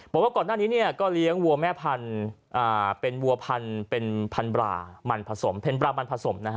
บอกว่าก่อนหน้านี้ก็เลี้ยงวัวแม่พันธุ์เป็นวัวพันธุ์เป็นพันธุ์บรามันผสม